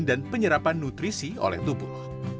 dan penyerapan nutrisi oleh tubuh